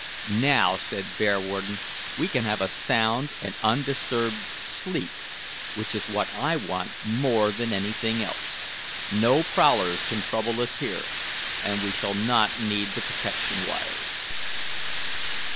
"Now," said Bearwarden, "we can have a sound and undisturbed sleep, which is what I want more than anything else. No prowlers can trouble us here, and we shall not need the protection wires."